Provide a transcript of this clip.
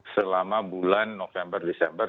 selama bulan november desember